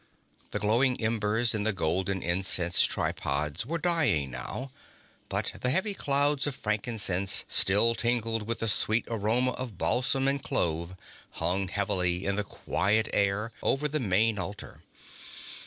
The glowing embers in the golden incense tripods were dying now, but the heavy clouds of frankincense, still tingled with the sweet aroma of balsam and clove, hung heavily in the quiet air over the main altar.